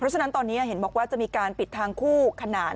ฉะนั้นตอนนี้เห็นบอกว่าจะมีการปิดทางคู่ขนาน